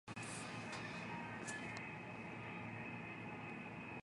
人間は環境を形成することによって自己を形成してゆく。